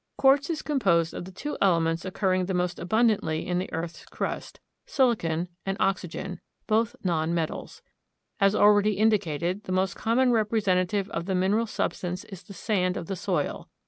Quartz is composed of the two elements occurring the most abundantly in the earth's crust, silicon and oxygen, both non metals. As already indicated, the most common representative of the mineral substance is the sand of the soil.